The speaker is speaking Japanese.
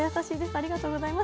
ありがとうございます。